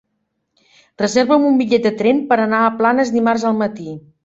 Reserva'm un bitllet de tren per anar a Planes dimarts al matí.